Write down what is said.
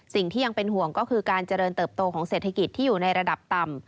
สิ่งที่ยังเป็นห่วงก็คือการเจริญเติบโตของเศรษฐกิจที่อยู่ในระดับต่ำ